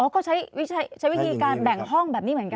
ก็ใช้วิธีการแบ่งห้องแบบนี้เหมือนกัน